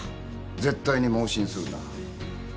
絶対に妄信するな。